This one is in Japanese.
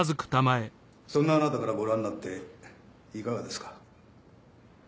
そんなあなたからご覧になっていかがですか？